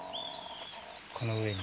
この上に。